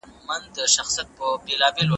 په شعر کې کله کله ستوري یاد سوي دي.